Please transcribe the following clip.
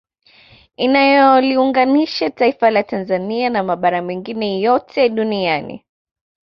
Inayoliunganisha taifa la Tanzania na mabara mengine yote duniani